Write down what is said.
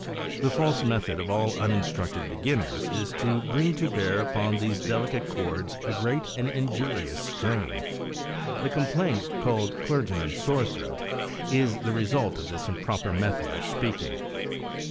The false method of all uninstructed beginners is to bring to bear upon these delicate 54 maccabe's art of ventriloquism chords a great and injurious strain. The complaint called clergy man's sore throat is the result of this improper method of speak ing.